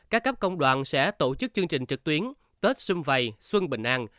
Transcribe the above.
các cấp công đoàn sẽ tổ chức chương trình trực tuyến tết xung vầy xuân bình an